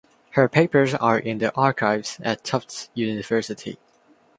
Her papers are in the archives at Tufts University.